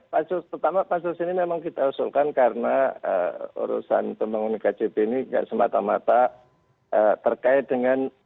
pansus pertama pansus ini memang kita usulkan karena urusan pembangunan kcb ini tidak semata mata terkait dengan